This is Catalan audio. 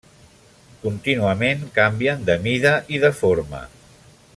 Contínuament canvien de mida i de forma.